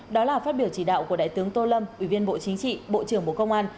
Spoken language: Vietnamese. đó là phát biểu chỉ đạo của đại tướng tô lâm ủy viên bộ chính trị bộ trưởng bộ công an